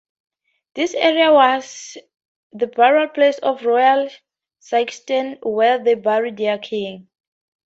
This area was the burial place of "royal Scythians" where they buried their kings.